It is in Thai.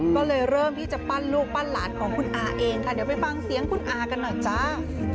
ก็เลยเริ่มที่จะปั้นลูกปั้นหลานของคุณอาเองค่ะเดี๋ยวไปฟังเสียงคุณอากันหน่อยจ้า